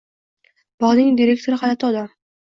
Bog’ning direktori g’alati odam: